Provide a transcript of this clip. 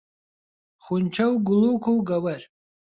خونچە و گوڵووک و گەوەر